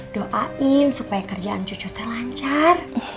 doain supaya kerjaan cucu teh lancar